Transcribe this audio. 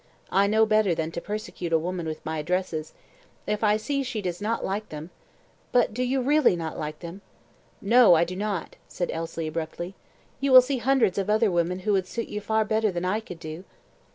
I know better than to persecute a woman with my addresses, if I see she does not like them. But do you REALLY not like them?" "No, I do not," said Elsie, abruptly. "You will see hundreds of other women who would suit you far better than I could do."